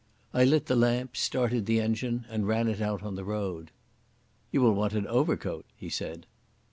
I lit the lamps, started the engine, and ran it out on to the road. "You will want an overcoat," he said.